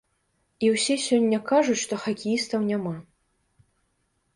І ўсе сёння кажуць, што хакеістаў няма.